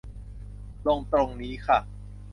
ลงตรงนี้ค่ะ